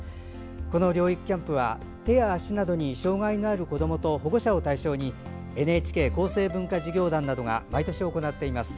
この療育キャンプは手や足などに障害のある子どもと保護者を対象にＮＨＫ厚生文化事業団などが毎年行っています。